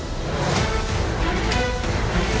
ก็ต้องชมเชยเขาล่ะครับเดี๋ยวลองไปดูห้องอื่นต่อนะครับ